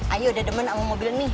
ayo udah demen aku mobil ini